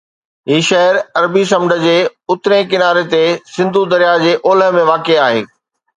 هي شهر عربي سمنڊ جي اترئين ڪناري تي، سنڌو درياهه جي اولهه ۾ واقع آهي